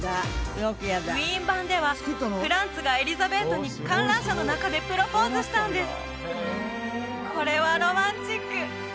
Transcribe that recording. ウィーン版ではフランツがエリザベートに観覧車の中でプロポーズしたんですこれはロマンチック！